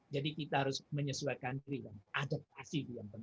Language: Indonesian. jadi kita harus menyesuaikan diri dan adaptasi itu yang penting